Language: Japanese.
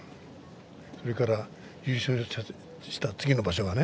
それから優勝をした次の場所